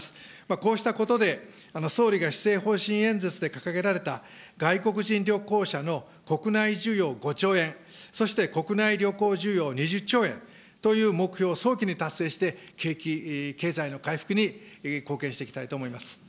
こうしたことで、総理が施政方針演説で掲げられた外国人旅行者の国内需要５兆円、そして国内旅行需要２０兆円という目標を早期に達成して、景気、経済の回復に貢献していきたいと思います。